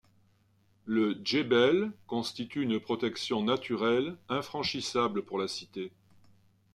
Le djebel constitue une protection naturelle infranchissable pour la cité.